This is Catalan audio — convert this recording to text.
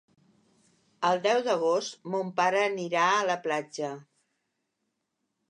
El deu d'agost mon pare anirà a la platja.